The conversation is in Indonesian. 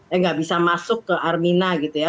yang nggak bisa masuk ke armina gitu ya